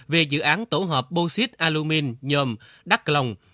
về dự án tổ hợp bô xít alumin nhôm đắk cà long